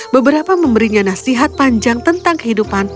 beberapa memberinya nasihat panjang tentang kehidupan